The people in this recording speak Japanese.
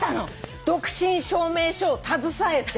独身証明書を携えて。